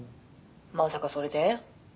「まさかそれで」